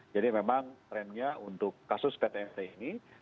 jadi memang trendnya untuk kasus ptmt ini